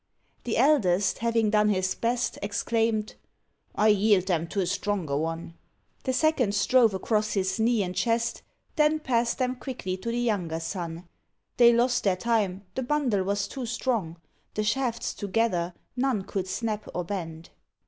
The eldest, having done his very best, Exclaimed, "I yield them to a stronger one." The second strove across his knee and chest, Then passed them quickly to the younger son: They lost their time, the bundle was too strong, The shafts together none could snap or bend.